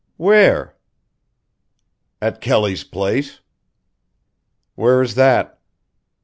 "Where?" "At Kelly's place." "Where is that?"